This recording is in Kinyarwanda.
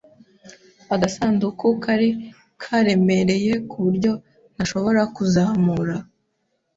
Agasanduku kari karemereye kuburyo ntashobora kuzamura.